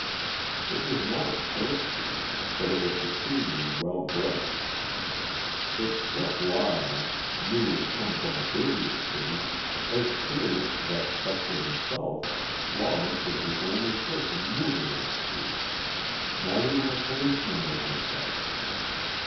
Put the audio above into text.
It was not a show street, but it was supremely well bred. It struck Lyon, newly come from a busier city, as curious that, but for himself, Lawrence was the only person moving in the street. Not even a policeman was in sight.